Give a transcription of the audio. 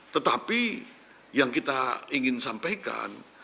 tetapi yang kita ingin sampaikan